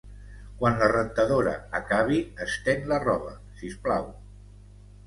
Quan la rentadora acabi estén la roba sisplau